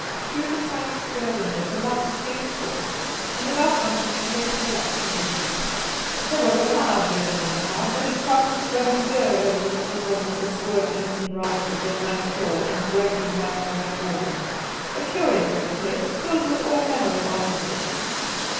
Through the tiny square window the light streamed forth, and without knocking she raised the latch and entered. There was a fire burning on the hearth, and it cast its ruddy glow over the little dingy room, with its worm eaten rafters and mud floor, and broken whitewashed walls. A curious little place, filled with all manner of articles.